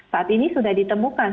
saat ini sudah ditemukan